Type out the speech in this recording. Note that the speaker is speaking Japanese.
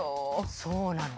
そうなの。